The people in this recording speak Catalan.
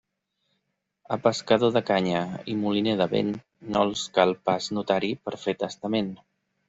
A pescador de canya i moliner de vent no els cal pas notari per fer testament.